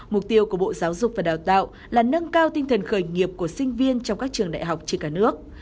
mục tiêu của bộ giáo dục và đào tạo là nâng cao tinh thần khởi nghiệp của sinh viên trong các trường đại học trên cả nước